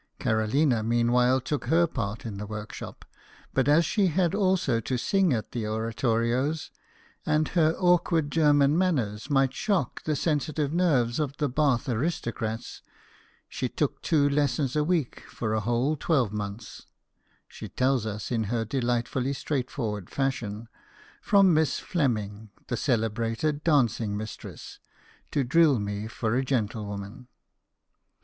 Carolina meanwhile took her part in the workshop ; but as she had also to sing at the oratorios, and her awkward German manners might shock the sensitive nerves of the Bath aristocrats, she took two lessons a week for a whole twelvemonth (she tells us in her delightfully straightforward fashion) " from Miss Fleming, the celebrated dancing mistress, to drill me for a gentle woman."